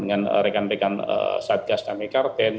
dengan rekan rekan satgas tamekarten